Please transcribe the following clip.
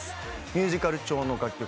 ミュージカル調の楽曲